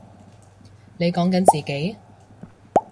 你講緊自己？